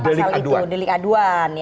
delik aduan delik aduan